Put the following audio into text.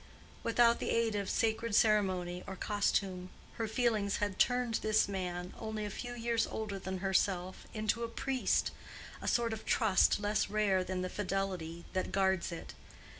Without the aid of sacred ceremony or costume, her feelings had turned this man, only a few years older than herself, into a priest; a sort of trust less rare than the fidelity that guards it.